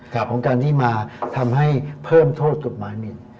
ของการที่มาทำให้เพิ่มโทษกฎหมายมิน